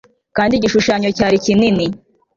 Kandi Igishushanyo cyari kinini